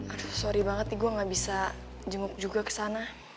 aduh sorry banget nih gue gak bisa jenguk juga ke sana